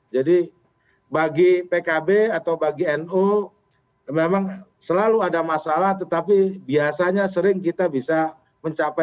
jadi bagi pkb atau bagi no memang selalu ada masalah tetapi biasanya sering kita bisa mencapai